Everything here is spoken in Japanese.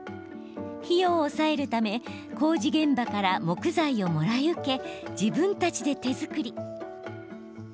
費用を抑えるため工事現場から木材をもらい受け自分たちで手作り。